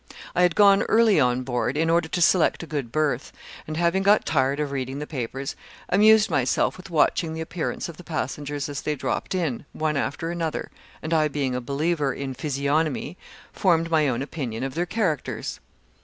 I had gone early on board, in order to select a good berth, and having got tired of reading the papers, amused myself with watching the appearance of the passengers as they dropped in, one after another, and I being a believer in physiognomy, formed my own opinion of their characters.